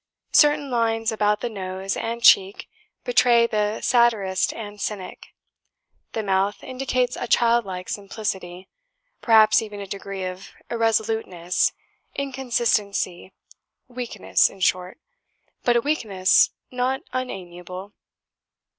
Certain lines about the nose and cheek, betray the satirist and cynic; the mouth indicates a child like simplicity perhaps even a degree of irresoluteness, inconsistency weakness in short, but a weakness not unamiable.